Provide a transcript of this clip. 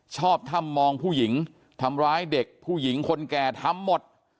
ชอบถ้ำมองผู้หญิงทำร้ายเด็กผู้หญิงคนแก่ทำหมด